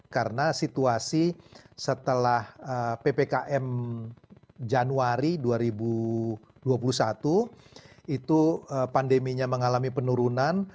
karena situasi setelah ppkm januari dua ribu dua puluh satu itu pandeminya mengalami penurunan